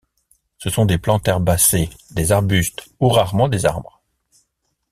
Ce sont des plantes herbacées, des arbustes ou rarement des arbres.